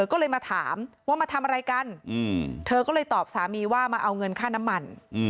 ก็เลยมาถามว่ามาทำอะไรกันเธอก็เลยตอบสามีว่ามาเอาเงินค่าน้ำมัน